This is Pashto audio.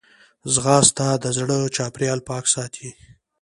ځغاسته د زړه چاپېریال پاک ساتي